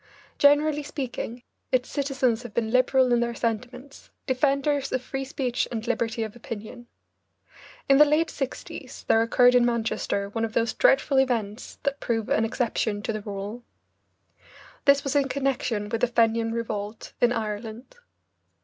Generally speaking, its citizens have been liberal in their sentiments, defenders of free speech and liberty of opinion. In the late sixties there occurred in Manchester one of those dreadful events that prove an exception to the rule. This was in connection with the Fenian Revolt in Ireland.